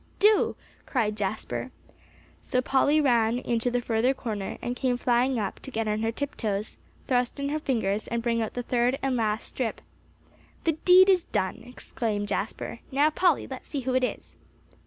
"Do," cried Jasper. So Polly ran into the further corner, and came flying up, to get on her tiptoes, thrust in her fingers, and bring out the third and last strip. "The deed is done!" exclaimed Jasper. "Now, Polly, let's see who it is."